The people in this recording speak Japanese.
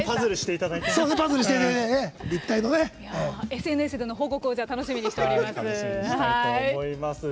ＳＮＳでの報告楽しみにしております。